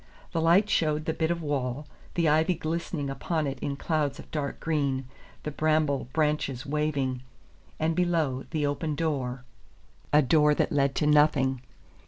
The light showed the bit of wall, the ivy glistening upon it in clouds of dark green, the bramble branches waving, and below, the open door, a door that led to nothing.